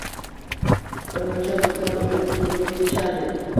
Birmuncha fursat o`tib turib ketishardi